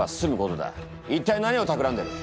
一体何をたくらんでる？